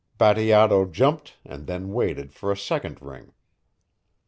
Bateato jumped and then waited for a second ring.